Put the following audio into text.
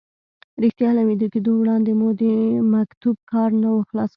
رښتیا له ویده کېدو وړاندې مو د مکتوب کار نه و خلاص کړی.